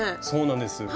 そうなんです。